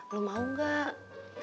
lo mau gak